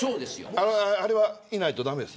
あれはいないと駄目です。